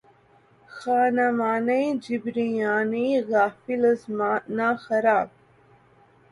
خانمانِ جبریانِ غافل از معنی خراب!